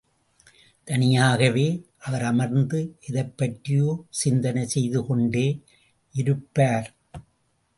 தனியாகவே அவர் அமர்ந்து எதைப் பற்றியோ சிந்தனை செய்து கொண்டே இருப்பார்.